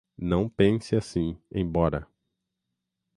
Não pense assim, embora!